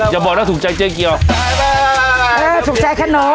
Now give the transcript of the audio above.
อย่าบอกนะถูกใจเจ๊เกียวถูกใจขนม